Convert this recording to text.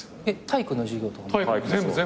体育の授業とかも。